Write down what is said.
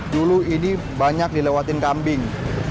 dulu ini banyak dilewatin kambing